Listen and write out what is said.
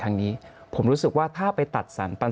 สิ่งที่ประชาชนอยากจะฟัง